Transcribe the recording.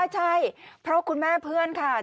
ใช่เพราะคุณแม่เพื่อนค่ะ